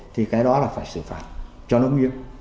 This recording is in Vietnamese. thì cái đó là phải xử phạt cho nông nghiệp